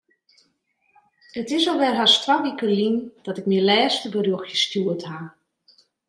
It is alwer hast twa wike lyn dat ik myn lêste berjochtsje stjoerd haw.